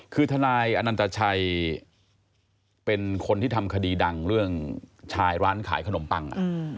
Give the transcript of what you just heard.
คือทนายอนันตชัยเป็นคนที่ทำคดีดังเรื่องชายร้านขายขนมปัง